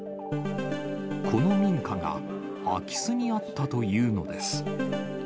この民家が空き巣に遭ったというのです。